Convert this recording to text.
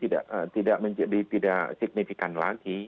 tidak menjadi tidak signifikan lagi